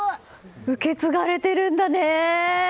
受け継がれてるんだね！